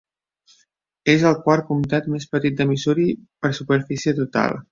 És el quart comtat més petit de Missouri per superfície total.